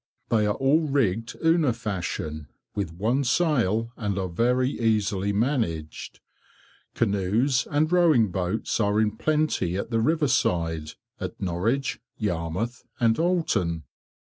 They are all rigged Una fashion, with one sail, and are very easily managed. Canoes and rowing boats are in plenty at the riverside, at Norwich, Yarmouth, and Oulton.